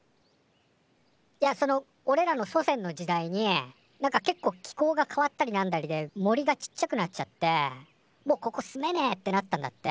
いやそのおれらの祖先の時代になんかけっこう気候が変わったりなんだりで森がちっちゃくなっちゃってもうここ住めねえってなったんだって。